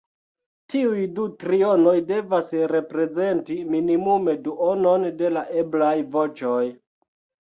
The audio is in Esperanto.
Tiuj du trionoj devas reprezenti minimume duonon de la eblaj voĉoj.